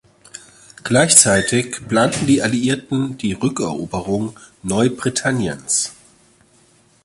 Gleichzeitig planten die Alliierten die Rückeroberung Neubritanniens.